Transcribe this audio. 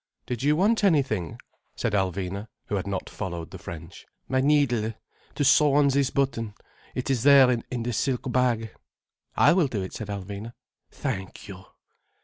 "Did you want anything?" said Alvina, who had not followed the French. "My needle, to sew on this button. It is there, in the silk bag." "I will do it," said Alvina. "Thank you."